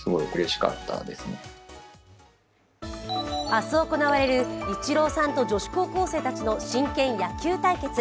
明日行われるイチローさんと女子高校生たちの真剣野球対決。